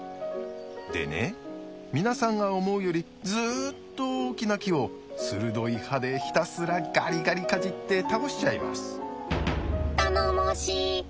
でね皆さんが思うよりずっと大きな木を鋭い歯でひたすらガリガリかじって倒しちゃいます。